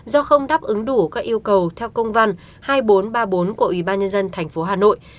do không đáp ứng đủ các yêu cầu theo công văn hai nghìn bốn trăm ba mươi bốn của ủy ban nhân dân tp hà nội